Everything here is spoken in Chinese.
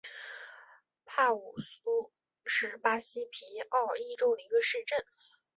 帕武苏是巴西皮奥伊州的一个市镇。